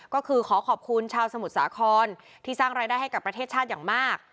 ก็คือขอขอบคุณชาวสมุทรสาครที่สร้างรายได้ให้กับประเทศชาติอย่างมาก